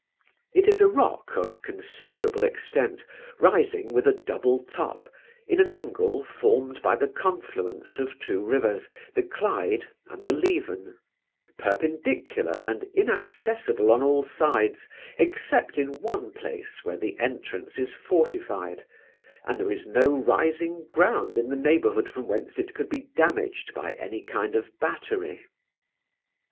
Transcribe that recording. It is a rock of considerable extent, rising with a double top, in an angle formed by the confluence of two rivers, the Clyde and the Leven; perpendicular and inaccessible on all sides, except in one place where the entrance is fortified; and there is no rising ground in the neighbourhood from whence it could be damaged by any kind of battery.